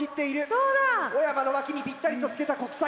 どうだ⁉小山の脇にぴったりとつけた国際。